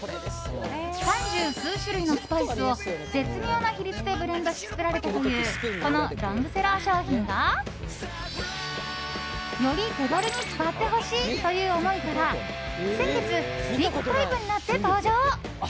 三十数種類のスパイスを絶妙な比率でブレンドし作られたというこのロングセラー商品が。より手軽に使ってほしいという思いから先月、スティックタイプになって登場。